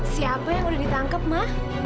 siapa yang sudah ditangkap ma